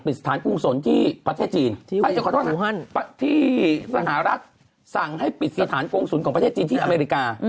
สถานกุศลที่ประเทศจีนที่สหรัฐสั่งให้ปิดสถานกงศูนย์ของประเทศจีนที่อเมริกา